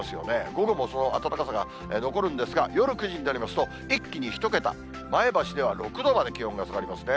午後もその暖かさが残るんですが、夜９時になりますと、一気に１桁、前橋では６度まで気温が下がりますね。